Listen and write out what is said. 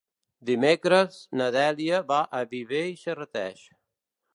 Dimecres na Dèlia va a Viver i Serrateix.